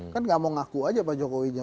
kan tidak mau mengaku saja pak jokowinya